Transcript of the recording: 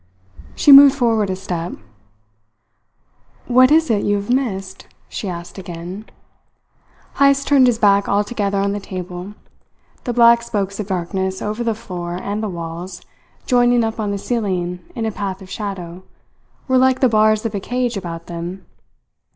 She moved forward a step. "What is it you have missed?" she asked again. Heyst turned his back altogether on the table. The black spokes of darkness over the floor and the walls, joining up on the ceiling in a path of shadow, were like the bars of a cage about them.